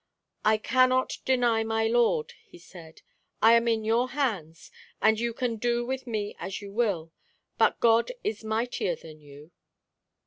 "I cannot deny my Lord," he said. "I am in your hands, and you can do with me as you will. But God is mightier than you."